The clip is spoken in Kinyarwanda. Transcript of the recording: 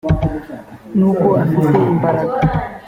n uko afite imbaraga